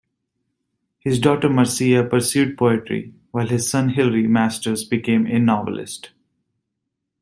His daughter Marcia pursued poetry, while his son Hilary Masters became a novelist.